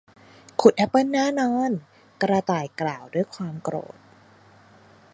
ขุดแอปเปิลแน่นอน กระต่ายกล่าวด้วยความโกรธ